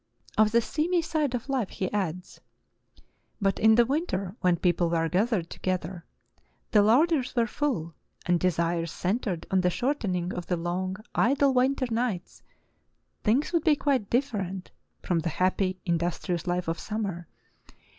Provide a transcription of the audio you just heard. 344 True Tales of Arctic Heroism Of the seamy side of life he adds :" But in the winter, when people were gathered together, the larders were full, and desires centred on the shortening of the long, idle winter nights, things would be quite different [from the happy, industrious life of summer].